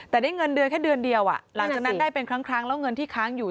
แต่ได้เงินเดือนแค่เดือนเดียวหลังจากนั้นได้เป็นครั้งแล้วเงินที่ค้างอยู่